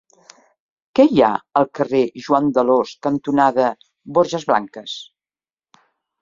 Què hi ha al carrer Joan d'Alòs cantonada Borges Blanques?